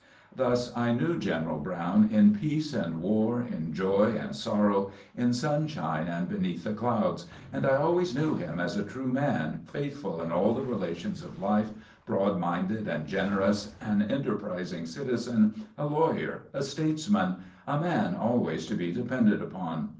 Thus I knew General Brown in peace and war, in joy and sorrow, in sunshine and beneath the clouds, and I always knew him as a true man faithful in all the relations of life, broad minded and generous, an enterprising citizen, a lawyer, a statesman, a man always to be depended upon.